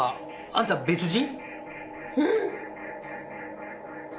あんた別人？